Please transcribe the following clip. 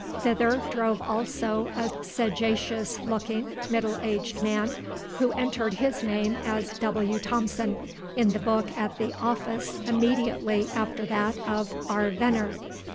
Thither drove also a sagacious looking, middle aged man, who entered his name as "W. Thompson" in the book at the office immediately after that of "R. Venner."